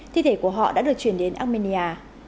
thi thể của họ đã được chuyển đến armenia